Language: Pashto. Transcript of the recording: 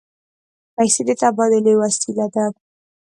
پیسې د تبادلې وسیله ده.